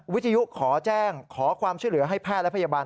วิทยุขอแจ้งขอความช่วยเหลือให้แพทย์และพยาบาล